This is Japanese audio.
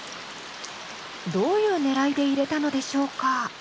どういうねらいで入れたのでしょうか？